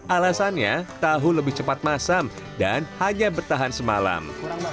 alasannya tahu lebih cepat masam dan hanya bertahan semalam